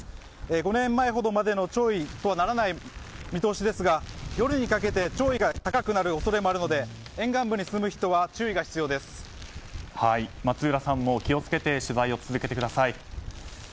５年前程までの潮位とはならない見通しですが夜にかけて潮位が高くなる恐れもあるので松浦さんも気を付けて取材を続けてください。